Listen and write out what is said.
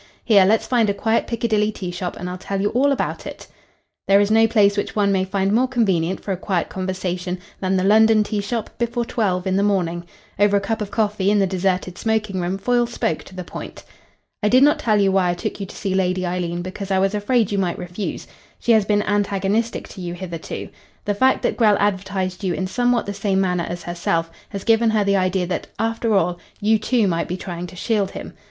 Here, let's find a quiet Piccadilly tea shop and I'll tell you all about it." There is no place which one may find more convenient for a quiet conversation than the London tea shop before twelve in the morning. Over a cup of coffee in the deserted smoking room Foyle spoke to the point. "I did not tell you why I took you to see Lady Eileen, because I was afraid you might refuse. She has been antagonistic to you hitherto. The fact that Grell advertised you in somewhat the same manner as herself has given her the idea that, after all, you too might be trying to shield him.